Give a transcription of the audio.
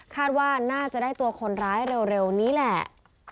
ว่าน่าจะได้ตัวคนร้ายเร็วนี้แหละ